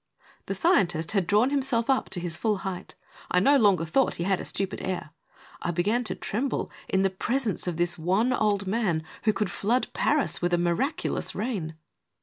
The scientist had drawn himself up to his full height. I no longer thought he had a stupid air. I began to tremble in the presence of this wan old man who could flood Paris with a miraculous rain.